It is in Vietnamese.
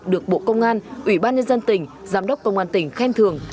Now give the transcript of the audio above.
được bộ công an ủy ban nhân dân tỉnh giám đốc công an tỉnh khen thường